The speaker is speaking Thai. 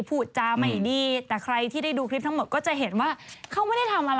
พูดจาไม่ดี